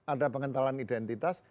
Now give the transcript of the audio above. ada pengentalan identitas